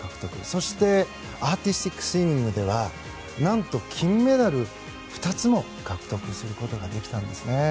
そしてアーティスティックスイミングは何と、金メダルを２つも獲得することができたんです。